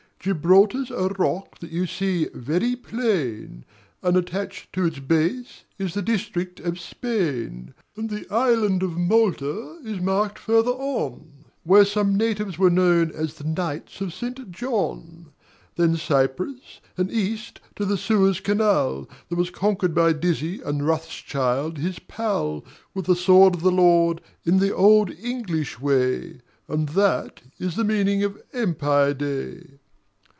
Gibraltar's a rock that you see very plain, And attached to its base is the district of Spain. And the island of Malta is marked further on, Where some natives were known as the Knights of St. John. Then Cyprus, and east to the Suez Canal, That was conquered by Dizzy and Rothschild his pal With the Sword of the Lord in the old English way; And that is the meaning of Empire Day.